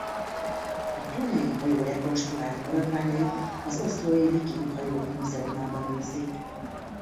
A tunei hajó rekonstruált maradványait az oslói viking hajók múzeumában őrzik.